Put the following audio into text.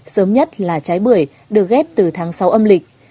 sớm nhất là trái bưởi được ghép từ tháng sáu âm lịch